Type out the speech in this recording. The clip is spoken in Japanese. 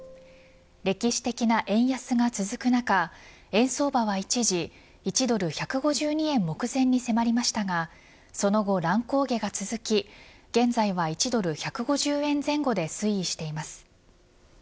歴史的な円安が続く中円相場は一時１ドル１５２円目前に迫りましたがその後乱高下が続き現在は１ドル１５０円前後で推移しています。